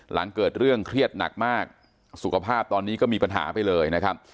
หลังเกิดเรื่องเครียดหนักมากสุขภาพตอนนี้ก็มีปัญหาไปเลยนะครับ